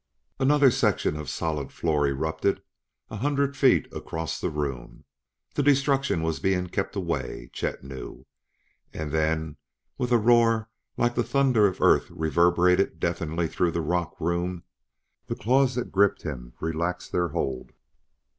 Another section of solid floor erupted a hundred feet across the room! The destruction was being kept away, Chet knew. And then, while a roar like all the thunders of Earth reverberated deafeningly through the rock room, the claws that gripped him relaxed their hold.